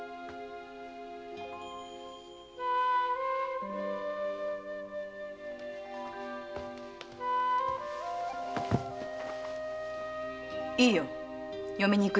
〔いいよ嫁に行くよ〕